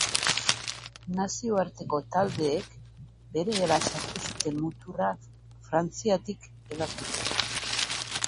Nazioarteko taldeek berehala sartu zuten muturra Frantziatik hedaturik.